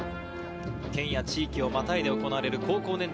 県や地域をまたいで行われる高校年代